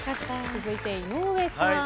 続いて井上さん。